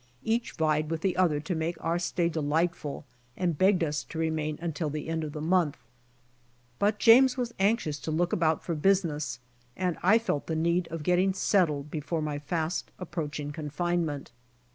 Each vied with the other to make our stay delightful and begged of us to remain until the end of the month. But James was anxious to 138 BY ox TEAM TO CALIFORNIA look about for business, and I felt the need of getting settled before my fast approaching confinement.